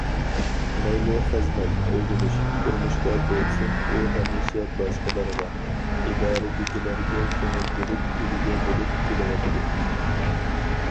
مەيلى خىزمەت، ئۆگىنىش، تۇرمۇشتا بولسۇن ئۇ ھەمىشە باشقىلارغا، ئىدارىدىكىلەرگە كۆڭۈل بۆلۈپ ئۈلگە بولۇپ كېلىۋاتىدۇ.